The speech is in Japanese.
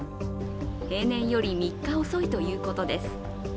平年より３日遅いということです。